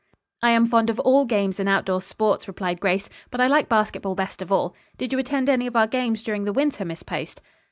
"I am fond of all games and outdoor sports," replied Grace, "but I like basketball best of all. Did you attend any of our games during the winter, Miss Post?"